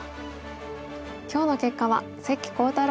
今日の結果は関航太郎